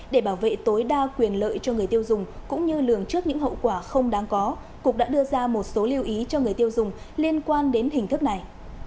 để bảo vệ tối đa quyền lợi cho người tiêu dùng cũng như lường trước những hậu quả không đáng có cục đã đưa ra một số lưu ý cho người tiêu dùng liên quan đến hình thức này